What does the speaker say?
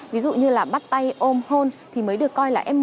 ví dụ như là bắt tay ôm hôn thì mới được coi là f một